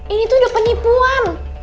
ini tuh udah penipuan